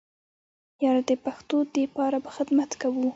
ياره د پښتو د پاره به خدمت کوو.